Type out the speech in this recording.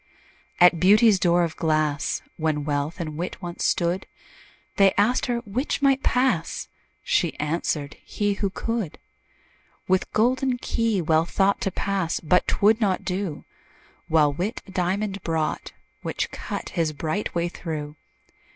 At Beauty's door of glass, When Wealth and Wit once stood, They asked her 'which might pass?" She answered, "he, who could." With golden key Wealth thought To pass but 'twould not do: While Wit a diamond brought, Which cut his bright way through.